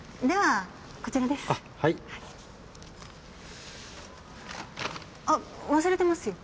ではこちらです。